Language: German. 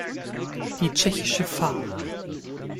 Die tschechische Fa.